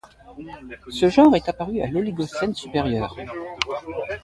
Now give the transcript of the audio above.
Ce genre est apparu à l'oligocène supérieur.